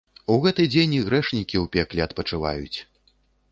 У гэты дзень і грэшнікі ў пекле адпачываюць.